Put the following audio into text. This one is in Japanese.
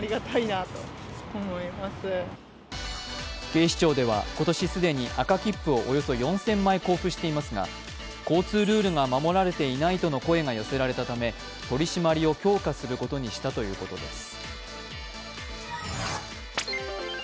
警視庁は今年既に赤切符をおよそ４０００枚交付していますが交通ルールが守られていないとの声が寄せられたため取り締まりを強化することにしたということです。